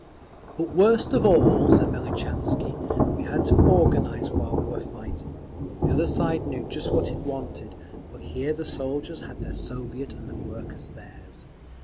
"But worst of all," said Melnichansky, "we had to organise while we were fighting. The other side knew just what it wanted; but here the soldiers had their Soviet and the workers theirs….